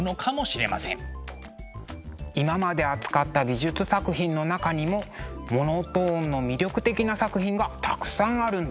今まで扱った美術作品の中にもモノトーンの魅力的な作品がたくさんあるんです。